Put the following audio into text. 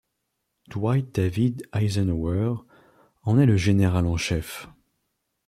Dwight David Eisenhower en est le général en chef.